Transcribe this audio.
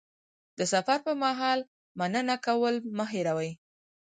د سفر پر مهال مننه کول مه هېروه.